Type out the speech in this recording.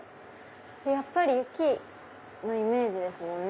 やっぱり木のイメージですもんね